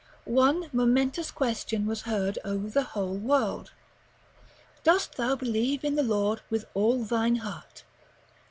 One momentous question was heard over the whole world, Dost thou believe in the Lord with all thine heart?